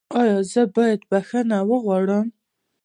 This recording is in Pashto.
ایا زه باید بخښنه وغواړم؟